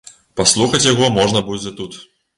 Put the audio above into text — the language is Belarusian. Паслухаць яго можна будзе тут.